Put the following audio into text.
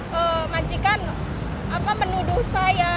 dan majikan menuduh saya